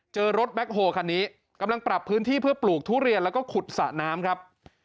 รถแบ็คโฮคันนี้กำลังปรับพื้นที่เพื่อปลูกทุเรียนแล้วก็ขุดสระน้ำครับ